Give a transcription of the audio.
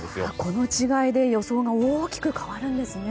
この違いで予想が大きく変わるんですね。